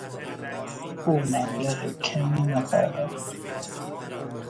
او مبلغ کمی نپرداخت!